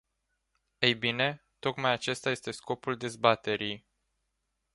Ei bine, tocmai acesta este scopul dezbaterii!